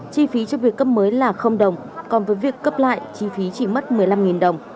chi phí cho việc cấp mới là đồng còn với việc cấp lại chi phí chỉ mất một mươi năm đồng